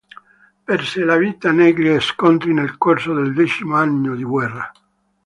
Perse la vita negli scontri nel corso del decimo anno di guerra.